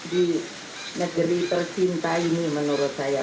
di negeri tercinta ini menurut saya